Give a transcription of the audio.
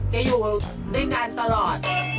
จะอยู่ด้วยกันตลอด